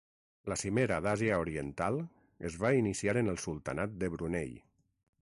La Cimera d'Àsia Oriental es va iniciar en el Sultanat de Brunei.